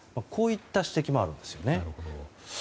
こういった指摘もあるんです。